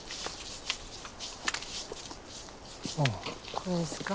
ここですか？